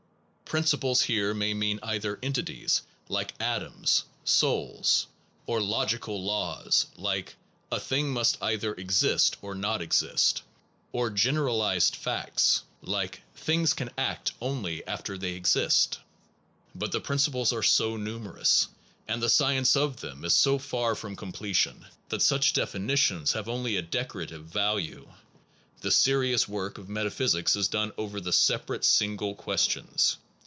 Principles here may mean either entities, like atoms, souls, or logical laws like : A thing must either exist or not exist ; or generalized facts, like things can act only 31 SOME PROBLEMS OF PHILOSOPHY after they exist/ But the principles are so num erous, and the science of them is so far from completion, that such definitions have only a decorative value. The serious work of meta physics is done over the separate single ques tions.